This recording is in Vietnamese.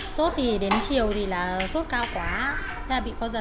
sốt thì đến chiều thì là sốt cao quá là bị co giật